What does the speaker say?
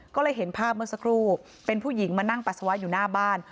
ก็เลยเห็นภาพเมื่อสักครู่เป็นผู้หญิงมานั่งปัสสาวะอยู่หน้าบ้าน